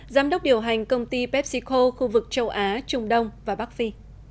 giám đốc điều hành công ty pepsico khu vực châu á trung đông và bắc phi